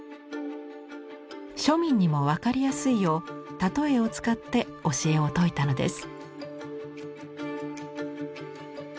庶民にも分かりやすいよう例えを使って教えを説いたのです。